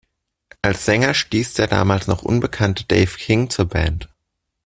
Als Sänger stieß der damals noch unbekannte Dave King zur Band.